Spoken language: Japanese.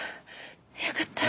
よかった。